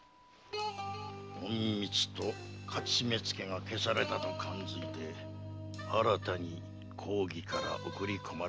隠密と徒目付が消されたと感づいて新たに公儀から送り込まれた者かもしれぬ。